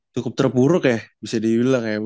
cukup terpuruk ya bisa di bilang ya